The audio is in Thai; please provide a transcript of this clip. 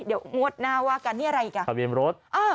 เดี๋ยวงวดหน้าว่ากันนี่อะไรอีกอ่ะทะเบียนรถ